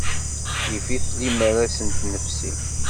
Yif-it limmer ad sent-nefsi.